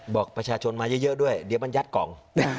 บอกประชาชนมาเยอะด้วยเดี๋ยวมันยัดกล่อง